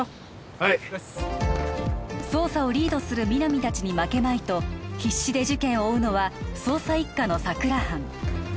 はいはい捜査をリードする皆実達に負けまいと必死で事件を追うのは捜査一課の佐久良班